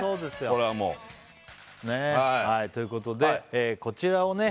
これはもうはいということでこちらをね